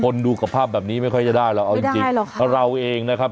คนดูกับภาพแบบนี้ไม่ค่อยจะได้หรอกไม่ได้หรอกค่ะเราเองนะครับ